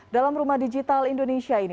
dalam rumah digital indonesia ini